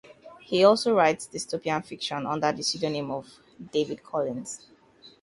He also writes dystopian fiction under the pseudonym of David Collins.